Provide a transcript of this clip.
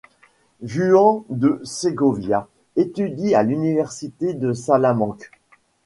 Juan de Segovia étudie à l'université de Salamanque.